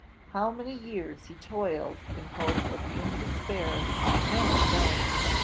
How many years he toiled, in hope and in despair, no one knows.